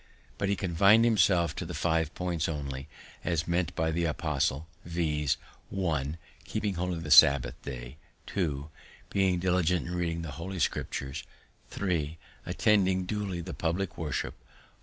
But he confin'd himself to five points only, as meant by the apostle, viz.: 1. Keeping holy the Sabbath day. 2. Being diligent in reading the holy Scriptures. 3. Attending duly the publick worship.